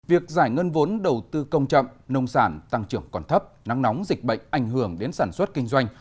việc giải ngân vốn đầu tư công chậm nông sản tăng trưởng còn thấp nắng nóng dịch bệnh ảnh hưởng đến sản xuất kinh doanh